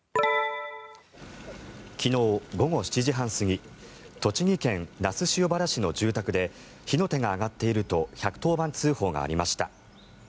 昨日、午後７時半過ぎ栃木県那須塩原市の住宅で火の手が上がっていると１１０番通報がありました。